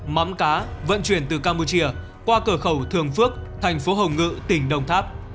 mắm cá vận chuyển từ campuchia qua cửa khẩu thường phước thành phố hồng ngự tỉnh đồng tháp